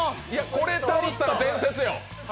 これ倒したら伝説よ。